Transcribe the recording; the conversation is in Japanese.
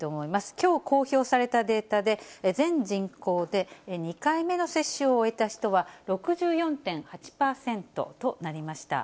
きょう公表されたデータで、全人口で２回目の接種を終えた人は６４．８％となりました。